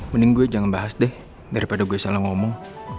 mending gue jangan bahas deh daripada gue salah ngomong